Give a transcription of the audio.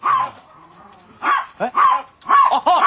えっ？あっ！